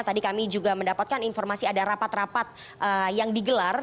tadi kami juga mendapatkan informasi ada rapat rapat yang digelar